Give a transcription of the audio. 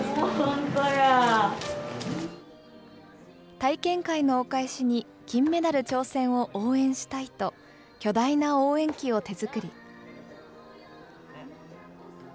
体験会のお返しに、金メダル挑戦を応援したいと、巨大な応援旗を手作り。